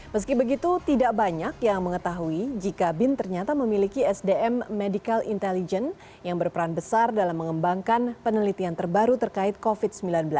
meski begitu tidak banyak yang mengetahui jika bin ternyata memiliki sdm medical intelligence yang berperan besar dalam mengembangkan penelitian terbaru terkait covid sembilan belas